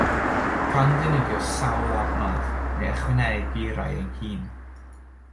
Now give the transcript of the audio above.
Cawn ddefnyddio sawl adnodd neu ychwanegu rhai ein hun